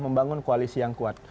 membangun koalisi yang kuat